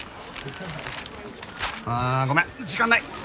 あぁごめん時間ない。